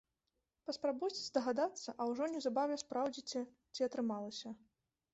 Паспрабуйце здагадацца, а ўжо неўзабаве спраўдзіце, ці атрымалася.